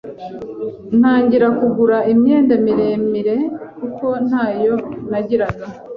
ntangira kugura imyenda miremire kuko ntayo nagiraga